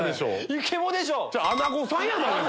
イケボでしょ。